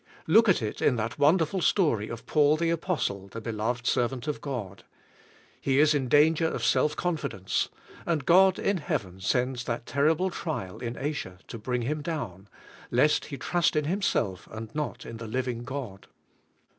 Look at it in that wonderful story of Paul, the Apostle, the beloved servant of God. He is in danger of self confidence, and God in heaven sends that ter rible trial in Asia to bring him down, lest he trust in himself and not in the living God.